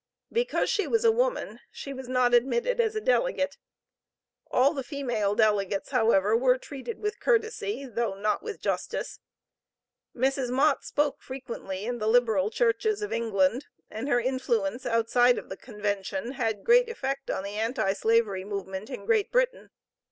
Because she was a woman she was not admitted as a delegate. All the female delegates, however, were treated with courtesy, though not with justice. Mrs. Mott spoke frequently in the liberal churches of England, and her influence outside of the Convention had great effect on the Anti Slavery movement in Great Britain.